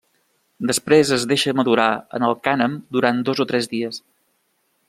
Després es deixa madurar en el cànem durant dos o tres dies.